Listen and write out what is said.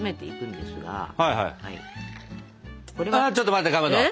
あちょっと待ってかまど！